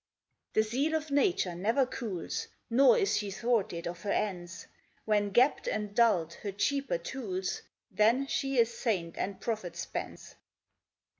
The zeal of Nature never cools, Nor is she thwarted of her ends; When gapped and dulled her cheaper tools, Then she a saint and prophet spends.